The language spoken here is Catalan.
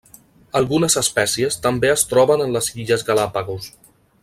Algunes espècies també es troben en les Illes Galápagos.